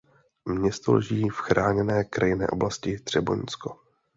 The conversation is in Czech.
Město leží v chráněné krajinné oblasti Třeboňsko.